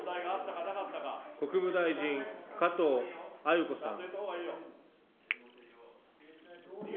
国務大臣、加藤鮎子さん。